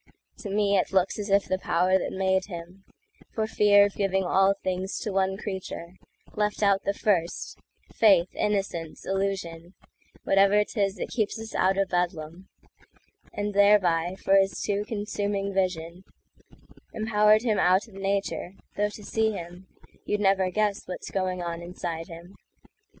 To me it looks as if the power that made him, For fear of giving all things to one creature, Left out the first,—faith, innocence, illusion, Whatever 'tis that keeps us out o' Bedlam,—And thereby, for his too consuming vision, Empowered him out of nature; though to see him, You'd never guess what's going on inside him.